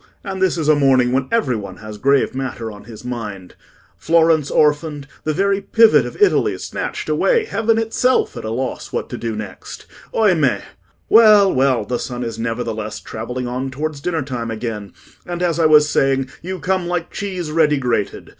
And this is a morning when every one has grave matter on his mind. Florence orphaned—the very pivot of Italy snatched away—heaven itself at a loss what to do next. Oimè! Well, well; the sun is nevertheless travelling on towards dinner time again; and, as I was saying, you come like cheese ready grated.